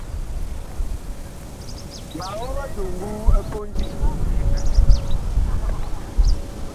Ma og eduŋgu ɛ pondi.